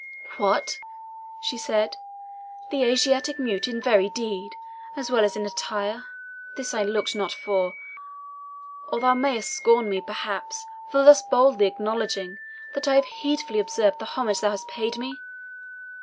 "What!" she said, "the Asiatic mute in very deed, as well as in attire? This I looked not for. Or thou mayest scorn me, perhaps, for thus boldly acknowledging that I have heedfully observed the homage thou hast paid me?